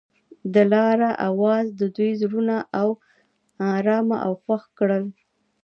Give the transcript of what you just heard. د لاره اواز د دوی زړونه ارامه او خوښ کړل.